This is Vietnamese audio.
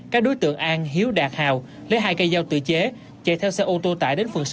các đối tượng an hiếu đạt hào lấy hai cây dao tự chế chạy theo xe ô tô tải đến phường sáu